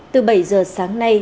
từ bảy giờ sáng nay